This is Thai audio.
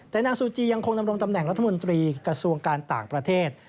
แต่นางซูจียังคงดำรงตำแหน่งรัฐมนตรีกระทรวงการต่างประเทศ